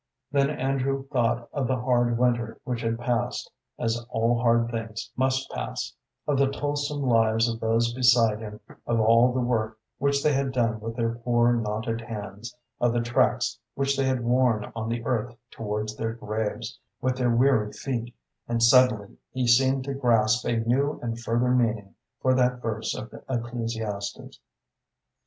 Then Andrew thought of the hard winter which had passed, as all hard things must pass, of the toilsome lives of those beside him, of all the work which they had done with their poor, knotted hands, of the tracks which they had worn on the earth towards their graves, with their weary feet, and suddenly he seemed to grasp a new and further meaning for that verse of Ecclesiastes.